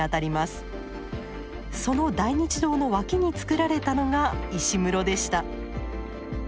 その大日堂の脇につくられたのが石室でした。